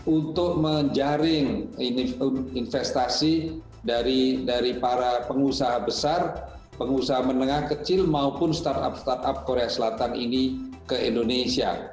untuk menjaring investasi dari para pengusaha besar pengusaha menengah kecil maupun startup startup korea selatan ini ke indonesia